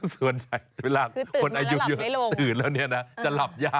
ส่วนใหญ่เวลาคนอายุเยอะตื่นแล้วเนี่ยนะจะหลับยาก